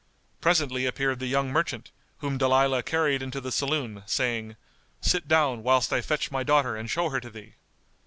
Presently appeared the young merchant, whom Dalilah carried into the saloon, saying, "Sit down, whilst I fetch my daughter and show her to thee."